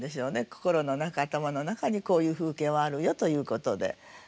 心の中頭の中にこういう風景はあるよということで。